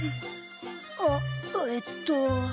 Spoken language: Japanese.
あえっと。